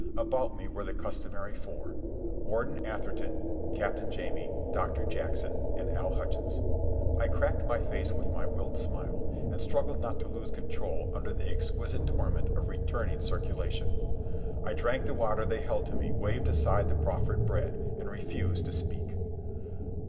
About me were the customary four: Warden Atherton, Captain Jamie, Doctor Jackson, and Al Hutchins. I cracked my face with my willed smile, and struggled not to lose control under the exquisite torment of returning circulation. I drank the water they held to me, waved aside the proffered bread, and refused to speak.